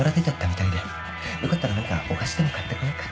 よかったら何かお菓子でも買ってこようか？